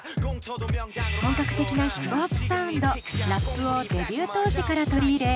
本格的なヒップホップサウンドラップをデビュー当時から取り入れ